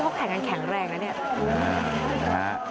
เขาแข่งกันแข็งแรงนะเนี่ย